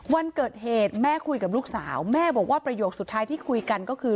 วันเกิดเหตุแม่คุยกับลูกสาวแม่บอกว่าประโยคสุดท้ายที่คุยกันก็คือ